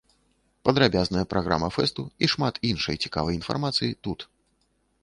Падрабязная праграма фэсту і шмат іншай цікавай інфармацыі тут.